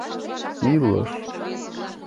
ИЛЫШ